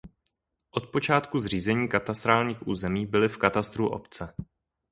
Od počátku zřízení katastrálních území byly v katastru obce.